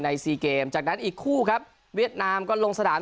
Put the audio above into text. ซีเกมจากนั้นอีกคู่ครับเวียดนามก็ลงสนาม